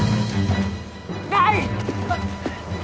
ない！